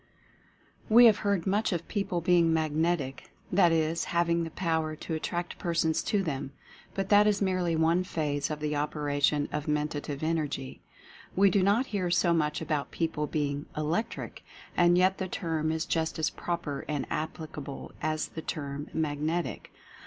We have heard much of people being "Magnetic," that is, having the power to attract persons to them — but that is merely one phase of the operation of Men tative Energy. We do not hear so much about peo ple being "Electric," and yet the term is just as proper and applicable as the term "Magnetic."